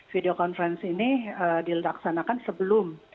video conference ini dilaksanakan sebelum